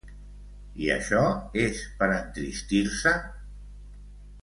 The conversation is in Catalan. I això és per entristir-se?